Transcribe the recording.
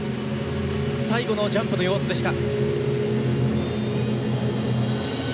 最後のジャンプの要素でした。